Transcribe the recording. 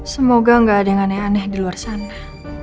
semoga gak ada yang aneh aneh di luar sana